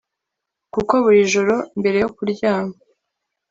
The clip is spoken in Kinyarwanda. kuko buri joro mbere yo kuryama